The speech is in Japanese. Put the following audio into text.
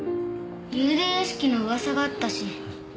幽霊屋敷の噂があったし。